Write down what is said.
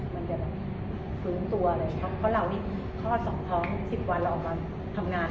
มันจะแบบฟื้นตัวเลยเพราะเราที่ทอดสองท้องสิบวันเราออกมาทำงาน